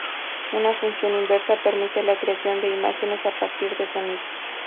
Una función inversa permite la creación de imágenes a partir de sonidos.